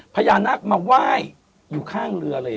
พญานาคมาไหว้อยู่ข้างเรือเลย